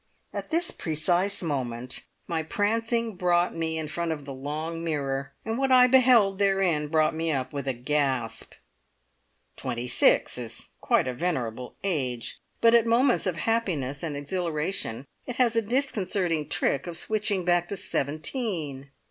At this precise moment my prancing brought me in front of the long mirror, and what I beheld therein brought me up with a gasp. Twenty six is quite a venerable age, but at moments of happiness and exhilaration it has a disconcerting trick of switching back to seventeen.